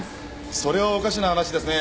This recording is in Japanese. それはおかしな話ですね。